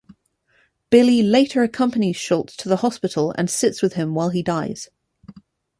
Billy later accompanies Schultz to the hospital and sits with him while he dies.